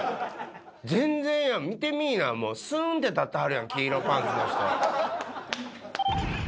全然や、見てみいや、もうすーんって立ってはるやん、黄色パンツの人。